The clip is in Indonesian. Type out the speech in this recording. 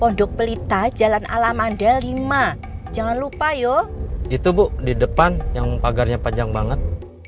pondok pelita jalan alam anda lima jangan lupa yuk itu bu di depan yang pagarnya panjang banget